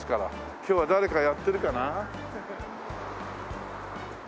今日は誰かやってるかな？